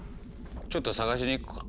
ちょっとさがしに行くか。